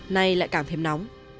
nay lại càng thêm nóng